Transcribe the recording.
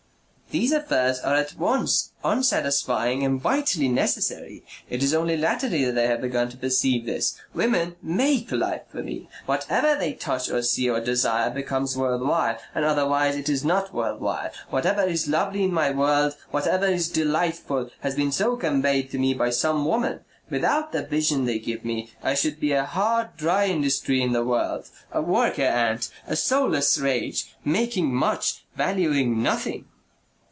"These affairs are at once unsatisfying and vitally necessary. It is only latterly that I have begun to perceive this. Women MAKE life for me. Whatever they touch or see or desire becomes worth while and otherwise it is not worth while. Whatever is lovely in my world, whatever is delightful, has been so conveyed to me by some woman. Without the vision they give me, I should be a hard dry industry in the world, a worker ant, a soulless rage, making much, valuing nothing."